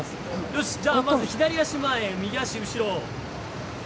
よし、じゃあ左足前、右足後ろ。